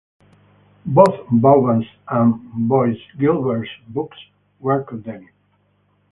Both Vauban's and Boisguilbert's books were condemned.